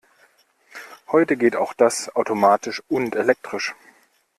Heute geht auch das automatisch und elektrisch.